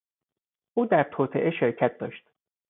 او در توطئه شرکت داشت.